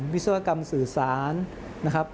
วิศวกรรมสื่อสารนะครับ